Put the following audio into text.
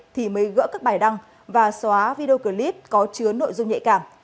thì mới gỡ các bài đăng và xóa video clip có chứa nội dung nhạy cảm